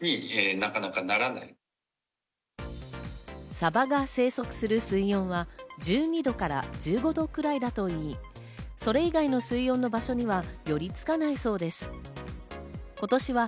サバが生息する水温は１２度から１５度くらいだと言い、それ以外の水温の場所には寄りつかないそうです。